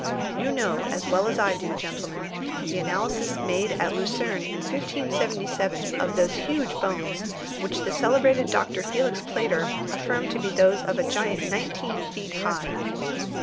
You know as well as I do, gentlemen, the analysis made at Lucerne in 1577 of those huge bones which the celebrated Dr. Felix Plater affirmed to be those of a giant nineteen feet high.